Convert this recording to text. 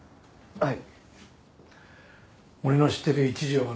はい。